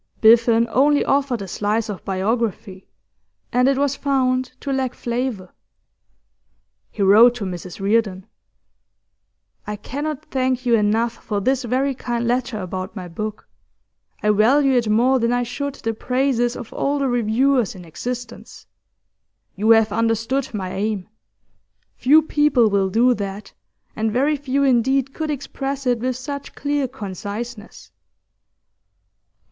Biffen only offered a slice of biography, and it was found to lack flavour. He wrote to Mrs Reardon: 'I cannot thank you enough for this very kind letter about my book; I value it more than I should the praises of all the reviewers in existence. You have understood my aim. Few people will do that, and very few indeed could express it with such clear conciseness.